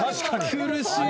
苦しい！